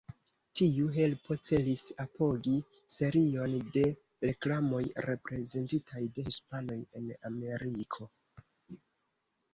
Tiu helpo celis apogi serion de reklamoj prezentitaj de hispanoj en Ameriko.